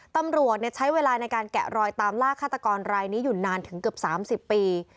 ตำรวจใช้เวลาในการแกะรอยตามล่าฆาตกรรายนี้อยู่นานถึงเกือบ๓๐ปี